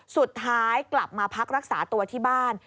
สุดท้ายกลับมาพักรักษาตัวที่บ้าน